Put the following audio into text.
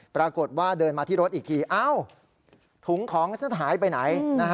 ปรากฏว่าเดินมาที่รถอีกทีอ้าวถุงของฉันหายไปไหน